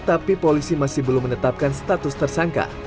tapi polisi masih belum menetapkan status tersangka